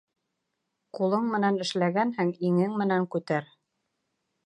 Ҡулың менән эшләгәнһең, иңең менән күтәр.